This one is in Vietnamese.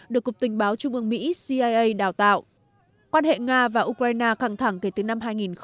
được cục tình báo trung ương mỹ cia đào tạo quan hệ nga và ukraine căng thẳng kể từ năm hai nghìn một mươi